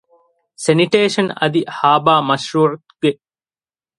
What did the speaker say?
ސެނިޓޭޝަން އަދި ހާރބަރ މަޝްރޫޢުގެ